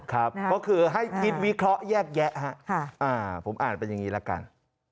ครับก็คือให้กินวิเคราะห์แยกแยะฮะฮะอ่าผมอ่านเป็นอย่างงี้แล้วกัน